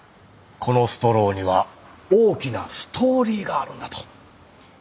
このストローには大きなストーリーがあるんだと。